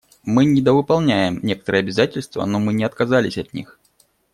Мы недовыполняем некоторые обязательства, но мы не отказались от них.